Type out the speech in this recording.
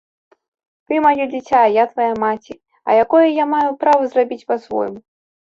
Ты маё дзіця, я твая маці, а якое я маю права зрабіць па-свойму?